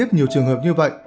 tiếp nhiều trường hợp như vậy